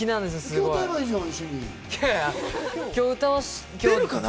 一緒に歌えばいいじゃん。